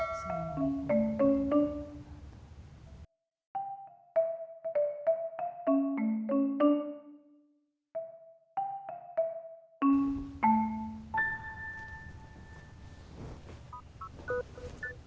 assalamualaikum warahmatullahi wabarakatuh